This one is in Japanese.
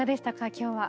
今日は。